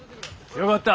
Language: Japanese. よかった。